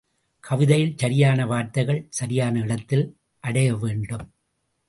கவிதையில், சரியான வார்த்தைகள், சரியான இடத்தில் அடைய வேண்டும்.